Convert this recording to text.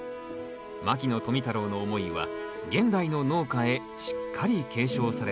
牧野富太郎の思いは現代の農家へしっかり継承されています